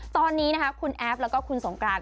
ตอนนี้คุณแอฟและคุณสงกราศ